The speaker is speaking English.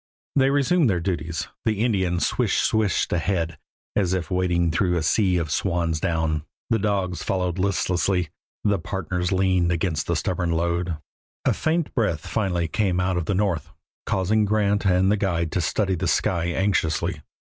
They resumed their duties; the Indian "swish swished" ahead, as if wading through a sea of swan's down; the dogs followed listlessly; the partners leaned against the stubborn load. A faint breath finally came out of the north, causing Grant and the guide to study the sky anxiously.